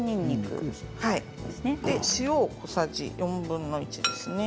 あと塩が小さじ４分の１ですね。